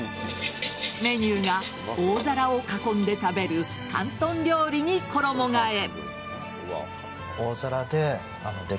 メニューが大皿を囲んで食べる広東料理に衣替え。